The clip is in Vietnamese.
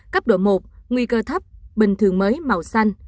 cấp độ một nguy cơ thấp bình thường mới màu xanh